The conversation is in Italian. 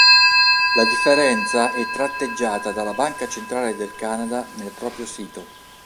La differenza è tratteggiata dalla Banca centrale del Canada nel proprio sito.